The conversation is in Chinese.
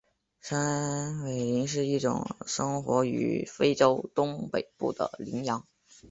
山苇羚是一种生活于非洲东北部的羚羊。